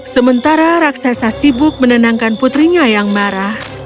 sementara raksasa sibuk menenangkan putrinya yang marah